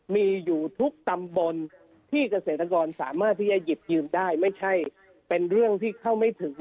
มีอยู่ทุกตำบลที่เกษตรกรสามารถที่จะหยิบยืมได้ไม่ใช่เป็นเรื่องที่เข้าไม่ถึง